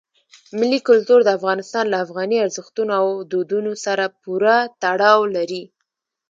ملي کلتور د افغانستان له افغاني ارزښتونو او دودونو سره پوره تړاو لري.